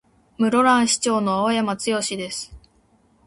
室蘭市長の青山剛です。